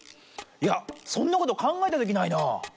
いやそんなことかんがえたときないな。